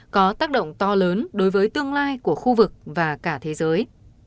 có tác động to lớn đối với tương lai của khu vực và cả thế giới